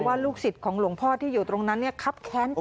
ลูกศิษย์ของหลวงพ่อที่อยู่ตรงนั้นครับแค้นใจ